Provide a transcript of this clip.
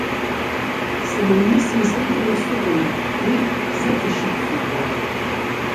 Сара уаҩы сизымдыруа сыҟоума, уи бзаҵашьыцзеи бара!